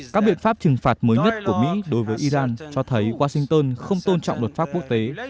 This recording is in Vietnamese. các biện pháp trừng phạt mới nhất của mỹ đối với iran cho thấy washington không tôn trọng luật pháp quốc tế